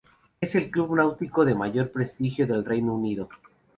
Es el club náutico de mayor prestigio del Reino Unido.